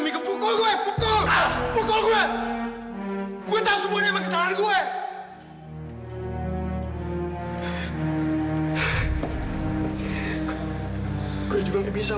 sekarang lu kibati kayak begini kan